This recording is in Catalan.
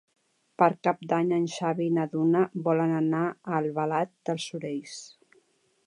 Per Cap d'Any en Xavi i na Duna volen anar a Albalat dels Sorells.